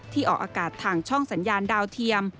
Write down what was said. ออกอากาศทางช่องสัญญาณดาวเทียม